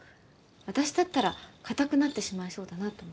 私だったら硬くなってしまいそうだなと思って。